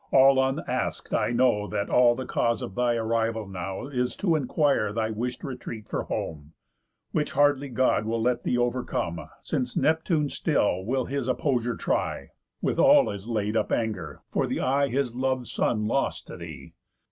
All unask'd I know That all the cause of thy arrival now Is to enquire thy wish'd retreat for home; Which hardly God will let thee overcome, Since Neptune still will his opposure try, With all his laid up anger, for the eye His lov'd son lost to thee.